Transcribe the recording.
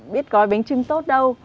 biết gói bánh trưng tốt đâu